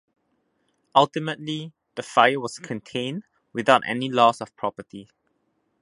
Ultimately, the fire was contained without any loss of property.